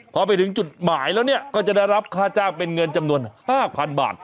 พอไปถึงจุดหมายแล้วเนี่ยก็จะได้รับค่าจ้างเป็นเงินจำนวน๕๐๐๐บาท